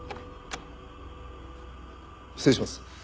失礼します。